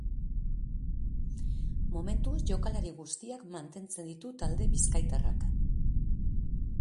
Momentuz, jokalari guztiak mantentzen dite talde bizkaitarrak.